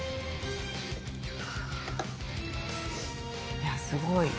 いやすごい。